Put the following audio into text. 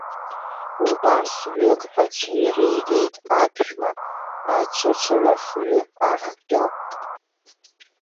Убас ҩык ҳәа цәыригеит аԥшәма, аҵәыҵәырафҩы ахҟьо!